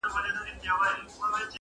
د مینو درد غزل سي یا ټپه سي.